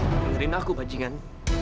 dengerin aku pacinian